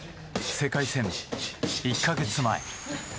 世界戦１か月前。